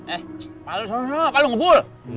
eh palu suruh palu ngumpul